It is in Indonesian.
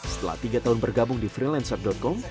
setelah tiga tahun bergabung di freelancer com